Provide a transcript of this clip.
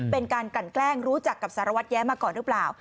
เป็นการกลั่นแกล้งรู้จักกับสารวัตรแย้มาก่อนหรือเปล่า